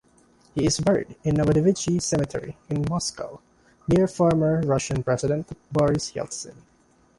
He is buried in Novodevichy Cemetery in Moscow near former Russian President Boris Yeltsin.